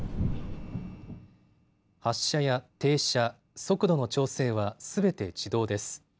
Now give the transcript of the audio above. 発車や停車、速度の調整はすべて自動です。